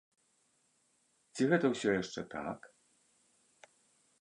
Ці гэта ўсё яшчэ так?